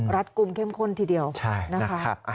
รัฐกลุ่มเข้มข้นทีเดียวนะคะ